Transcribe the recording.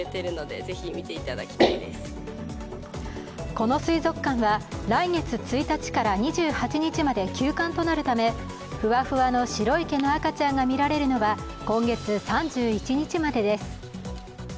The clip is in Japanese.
この水族館は来月１日から２８日まで休館となるため、ふわふわの白い毛の赤ちゃんが見られるのは今月３１日までです。